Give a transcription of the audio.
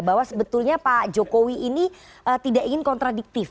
bahwa sebetulnya pak jokowi ini tidak ingin kontradiktif